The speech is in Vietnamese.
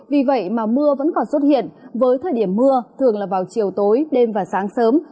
vì vậy mà mưa vẫn còn xuất hiện với thời điểm mưa thường là vào chiều tối đêm và sáng sớm